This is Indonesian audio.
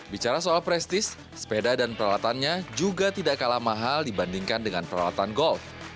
bicara soal prestis sepeda dan peralatannya juga tidak kalah mahal dibandingkan dengan peralatan golf